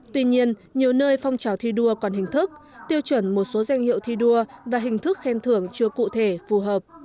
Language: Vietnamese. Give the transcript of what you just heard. tuy nhiên nhiều nơi phong trào thi đua còn hình thức tiêu chuẩn một số danh hiệu thi đua và hình thức khen thưởng chưa cụ thể phù hợp